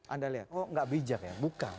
anda lihat oh nggak bijak ya bukan